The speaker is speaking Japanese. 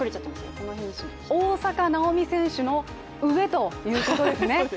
大坂なおみ選手の上ということですね。